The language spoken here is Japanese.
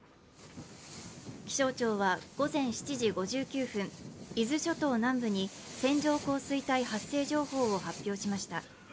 気象庁は午前７時５９分、伊豆諸島南部に線状降水帯発生情報を発表しました。